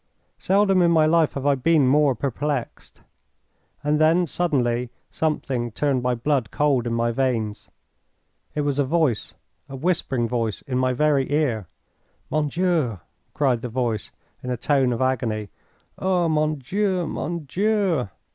Seldom in my life have I been more perplexed. And then, suddenly, something turned my blood cold in my veins. It was a voice, a whispering voice, in my very ear. "Mon Dieu!" cried the voice, in a tone of agony. "Oh, mon Dieu! mon Dieu!"